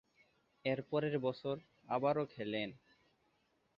এরপরের বছর আবারও খেলেন।